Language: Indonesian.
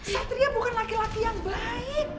satria bukan laki laki yang baik